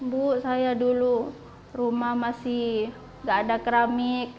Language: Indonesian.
bu saya dulu rumah masih gak ada keramik